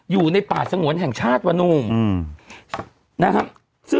อยู่ในป่าสงวนแห่งชาติวนู